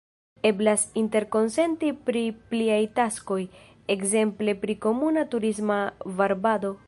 Eblas interkonsenti pri pliaj taskoj, ekzemple pri komuna turisma varbado.